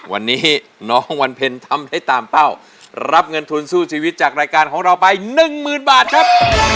วันนี้น้องวันเพ็ญทำได้ตามเป้ารับเงินทุนสู้ชีวิตจากรายการของเราไปหนึ่งหมื่นบาทครับ